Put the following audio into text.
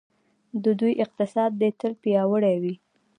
د دوی اقتصاد دې تل پیاوړی وي.